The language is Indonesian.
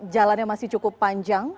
jalannya masih cukup panjang